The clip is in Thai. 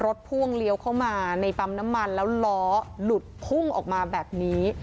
พ่วงเลี้ยวเข้ามาในปั๊มน้ำมันแล้วล้อหลุดพุ่งออกมาแบบนี้